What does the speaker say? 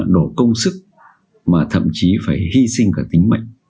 đủ công sức mà thậm chí phải hy sinh cả tính mệnh